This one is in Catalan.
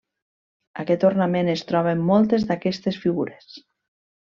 Aquest ornament es troba en moltes d'aquestes figures.